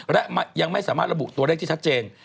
และยังไม่สามารถระบุตัวเลขที่ชัดเจน